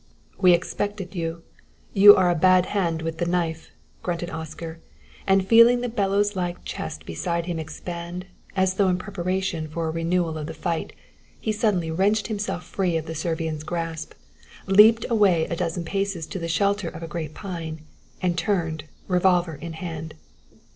"We expected you; you are a bad hand with the knife," grunted Oscar, and feeling the bellows like chest beside him expand, as though in preparation for a renewal of the fight, he suddenly wrenched himself free of the Servian's grasp, leaped away a dozen paces to the shelter of a great pine, and turned, revolver in hand.